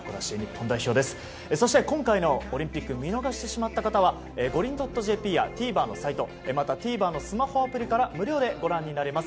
そして今回のオリンピックを見逃してしまった方はｇｏｒｉｎ．ｊｐやＴＶｅｒのサイトまたＴＶｅｒのスマホアプリから無料でご覧になれます。